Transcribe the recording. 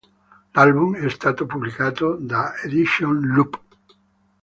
L'album è stato pubblicato da Edition Loop!